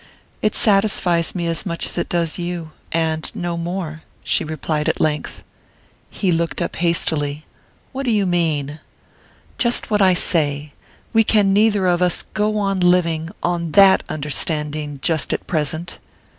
"It satisfies me as much as it does you and no more," she replied at length. He looked up hastily. "What do you mean?" "Just what I say. We can neither of us go on living on that understanding just at present."